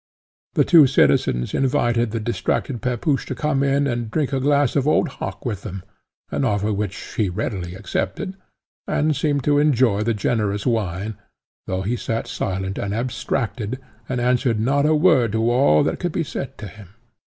The two citizens invited the distracted Pepusch to come in and drink a glass of old hock with them, an offer which he readily accepted, and seemed to enjoy the generous wine, though he sate silent and abstracted, and answered not a word to all that could be said to him.